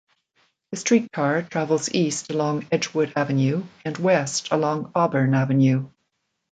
The streetcar travels east along Edgewood Avenue and west along Auburn Avenue.